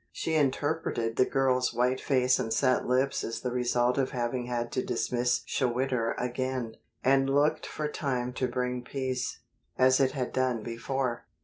She interpreted the girl's white face and set lips as the result of having had to dismiss Schwitter again, and looked for time to bring peace, as it had done before.